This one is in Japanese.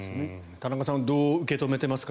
田中さんどう受け止めていますか？